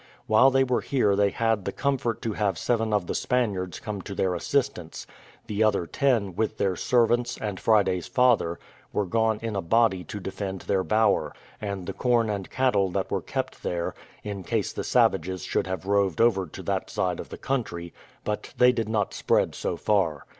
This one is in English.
While they were here they had the comfort to have seven of the Spaniards come to their assistance; the other ten, with their servants, and Friday's father, were gone in a body to defend their bower, and the corn and cattle that were kept there, in case the savages should have roved over to that side of the country, but they did not spread so far.